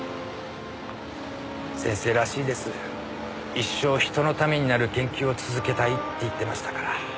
一生人のためになる研究を続けたいって言ってましたから。